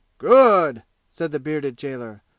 "Good!" said the bearded jailer.